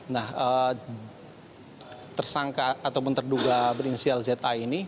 nah tersangka ataupun terduga berinisial za ini